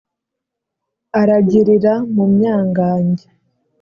Aragirira mu myangange